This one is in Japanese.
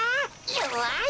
よし！